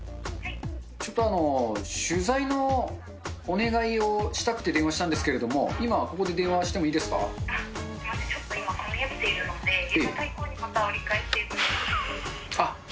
ちょっとあの、取材のお願いをしたくて電話したんですけれども、今、ここで電話ちょっと今、混み合っているので、あっ。